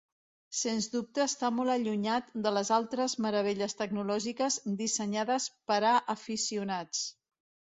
Sens dubte està molt allunyat de les altres meravelles tecnològiques dissenyades per a aficionats.